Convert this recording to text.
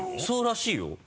そうらしいよ。